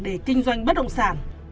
để kinh doanh bất động sản